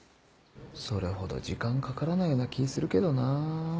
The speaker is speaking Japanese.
それほど時間かからないような気ぃするけどなぁ。